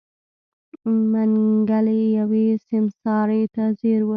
منګلی يوې سيمسارې ته ځير و.